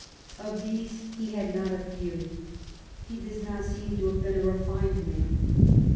Of these he had not a few. He does not seem to have been a refined man.